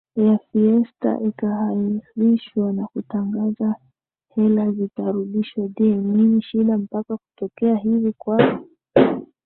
ya fiesta ikahairishwa na kutangaza hela zitarudishwa Je nini shida mpaka kutokea hivi kwa